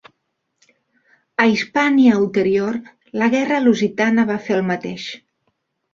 A Hispània Ulterior, la guerra lusitana va fer el mateix.